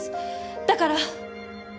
だから！